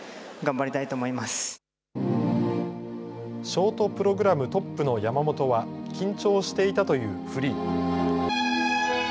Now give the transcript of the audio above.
ショートプログラムトップの山本は緊張していたというフリー。